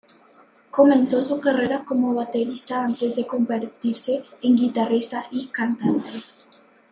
Comenzó su carrera como baterista antes de convertirse en guitarrista y cantante.